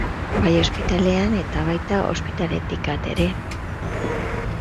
Bai ospitalean eta baita ospitaletik at ere.